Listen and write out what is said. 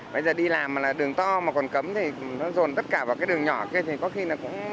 bây giờ đi làm mà là đường to mà còn cấm thì nó dồn tất cả vào cái đường nhỏ kia thì có khi là cũng